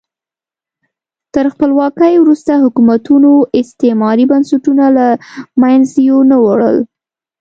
تر خپلواکۍ وروسته حکومتونو استعماري بنسټونه له منځه یو نه وړل.